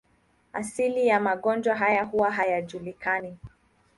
Asili ya magonjwa haya huwa hayajulikani.